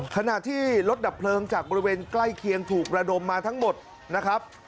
ขณะที่รถดับเพลิงจากบริเวณใกล้เคียงถูกระดมมาทั้งหมดนะครับ